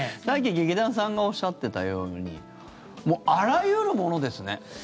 さっき劇団さんがおっしゃってたようにもうあらゆるものですね。